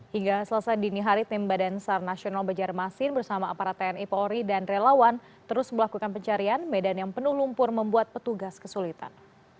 hingga selasa dini hari tim badan sar nasional banjarmasin bersama aparat tni polri dan relawan terus melakukan pencarian medan yang penuh lumpur membuat petugas kesulitan